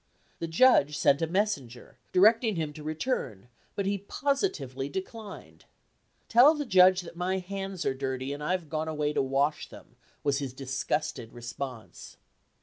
The judge sent a messenger, directing him to return, but he positively declined. "Tell the judge that my hands are dirty and I 've gone away to wash them," was his disgusted response.